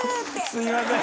すいません。